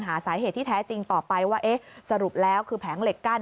หาสาเหตุที่แท้จริงต่อไปว่าเอ๊ะสรุปแล้วคือแผงเหล็กกั้น